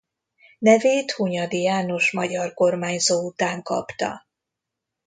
Nevét Hunyadi János magyar kormányzó után kapta.